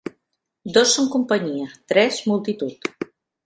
Dos són companyia; tres, multitud.